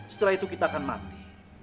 setelah itu kita akan mati